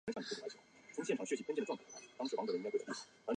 不过也有部分媒体对节目的表现予以负面评价。